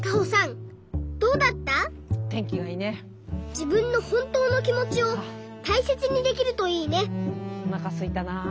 じぶんのほんとうのきもちをたいせつにできるといいねおなかすいたな。